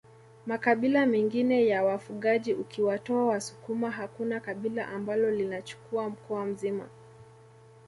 Makabila mengine ya wafugaji ukiwatoa wasukuma hakuna kabila ambalo linachukua mkoa mzima